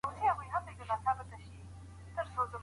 په قلم لیکنه کول د ماشین له بې روحۍ سره توپیر لري.